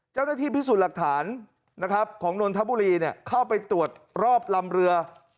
เจ้าหน้าที่พิสูจน์หลักฐานนะครับของนนทบุรีเข้าไปตรวจรอบลำเรือ